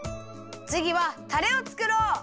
つぎはたれをつくろう！